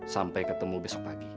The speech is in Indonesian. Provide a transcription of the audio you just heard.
sampai ketemu besok pagi